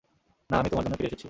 না, আমি তোমার জন্য ফিরে এসেছি।